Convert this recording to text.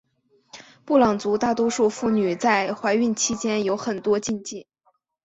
布朗族大多数妇女在怀孕期间有很多禁忌。